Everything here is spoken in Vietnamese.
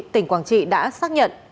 tỉnh quảng trị đã xác nhận